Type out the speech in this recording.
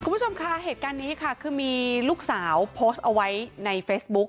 คุณผู้ชมค่ะเหตุการณ์นี้ค่ะคือมีลูกสาวโพสต์เอาไว้ในเฟซบุ๊ค